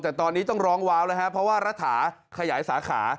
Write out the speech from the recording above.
แต่ตอนนี้ต้องร้องว้าวแล้วฮะเพราะว่ารัฐาขยายสาขา